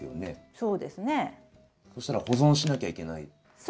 そしたら保存しなきゃいけないですね。